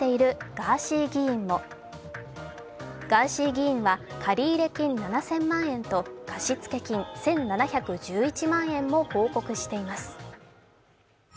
ガーシー議員は借入金７０００万円と貸付金１７１１万円も報告しています。